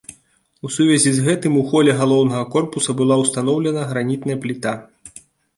У сувязі з гэтым у холе галоўнага корпуса была ўстаноўлена гранітная пліта.